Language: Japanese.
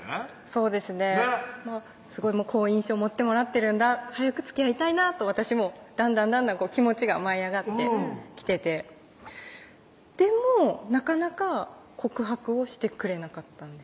そうですねねっ好印象持ってもらってるんだ早くつきあいたいなと私もだんだんだんだん気持ちが舞い上がってきててでもなかなか告白をしてくれなかったんです